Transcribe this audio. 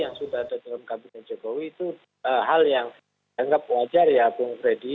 yang sudah ada dalam kabinet jokowi itu hal yang anggap wajar ya bung freddy